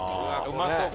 うまそう！